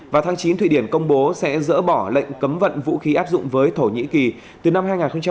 vào tháng chín thụy điển công bố sẽ dỡ bỏ lệnh cấm vận vũ khí áp dụng với thổ nhĩ kỳ từ năm hai nghìn một mươi sáu